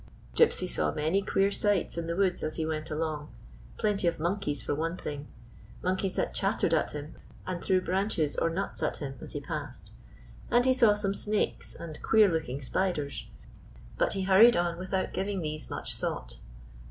Gypsy saw many queer sights in the woods as he went along: plenty of monkeys, for one thing — mon keys that chattered at him and threw branches or nuts at him as he passed; and he saw some 161 GYPSY, TIIE TALKING DOG snakes and queer looking spiders; but lie hur ried on without giving these much thought.